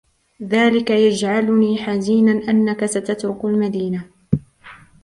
ذلك يجعلني حزينا أنك ستترك المدينة.